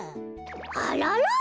あらら？